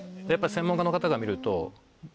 専門家の方が見ると。